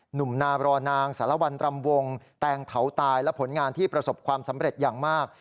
หนุ่มนาบรอนางสารวัลรำวงแตงเถาตายและผลงานที่ประสบความสำเร็จอย่างมาก